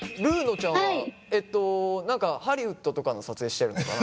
ちゃんはえっと何かハリウッドとかの撮影してるのかな？